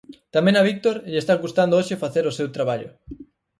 Tamén a Víctor lle está custando hoxe facer o seu traballo.